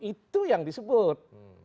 itu yang disebut